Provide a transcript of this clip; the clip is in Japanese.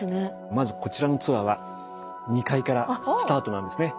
まずこちらのツアーは２階からスタートなんですね。